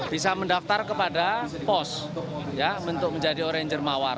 bisa mendaftar kepada pos untuk menjadi oranger mawar